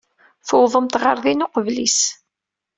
Tuwḍemt ɣer din uqbel-is.